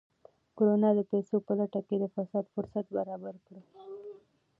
کرونا د پیسو په لټه کې د فساد فرصت برابر کړی.